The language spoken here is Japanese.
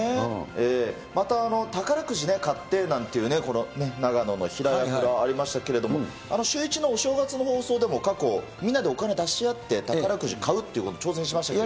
また、宝くじね、買ってなんていう、長野の平谷村ありましたけれども、シューイチのお正月の放送でも過去、みんなでお金出し合って宝くじ買うというのに挑戦しましたけど。